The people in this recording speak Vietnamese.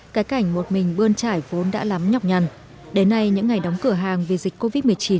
cái cảnh một mình bươn trải vốn đã lắm nhọc nhằn đến nay những ngày đóng cửa hàng vì dịch covid một mươi chín